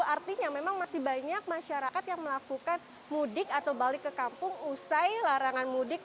artinya memang masih banyak masyarakat yang melakukan mudik atau balik ke kampung usai larangan mudik